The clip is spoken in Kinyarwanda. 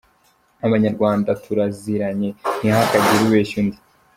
Nk’abanyarwanda, turaziranye, ntihakagire ubeshya undi !